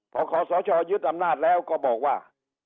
พอขอสชยึดอำนาจแล้วก็บอกว่า